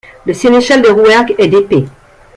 Le Sénéchal de Rouergue est d'épée.